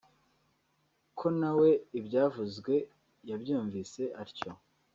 ko nawe ibyavuzwe yabyumvise atyo